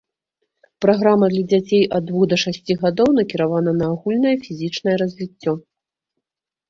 Праграма для дзяцей ад двух да шасці гадоў накіравана на агульнае фізічнае развіццё.